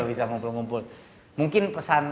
bisa mumpul mumpul mungkin pesan